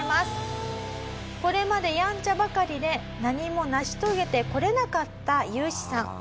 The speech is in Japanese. これまでヤンチャばかりで何も成し遂げてこれなかったユウシさん。